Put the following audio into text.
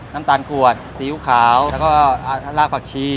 น้ำตานกรัวดซียูขาวและก็ลากผลาขี้